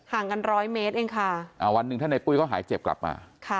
ห่างกันร้อยเมตรเองค่ะวันหนึ่งถ้าในปุ้ยก็หายเจ็บกลับมา